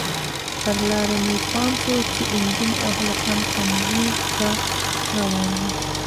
پر لاره مې پام شو چې نجونې او هلکان ښوونځیو ته روان وو.